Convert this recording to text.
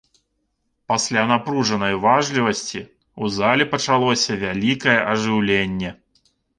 Пасля напружанай уважлівасці ў зале пачалося вялікае ажыўленне.